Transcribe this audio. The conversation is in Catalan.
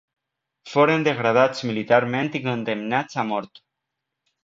Foren degradats militarment i condemnats a mort.